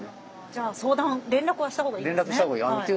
じゃあ相談連絡はしたほうがいいんですね。